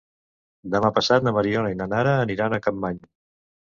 Demà passat na Mariona i na Nara aniran a Capmany.